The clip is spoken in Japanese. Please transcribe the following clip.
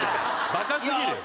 バカすぎるよ。